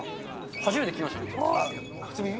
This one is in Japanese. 初めて聞きました初耳？